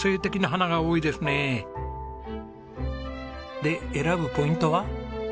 で選ぶポイントは？